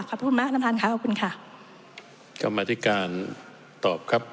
ขอบคุณมากน้ำท่านค่ะขอบคุณค่ะกลับมาที่การตอบครับ